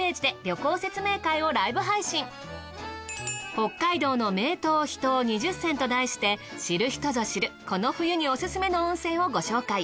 北海道の「名湯」「秘湯」２０選と題して知る人ぞ知るこの冬にオススメの温泉をご紹介。